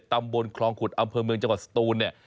บ้านหมู่เจ็ดตำบลคลองขุดอำเภอเมืองจังหวัดศูนย์